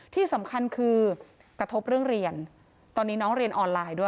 ที่สำคัญคือกระทบเรื่องเรียนตอนนี้น้องเรียนออนไลน์ด้วย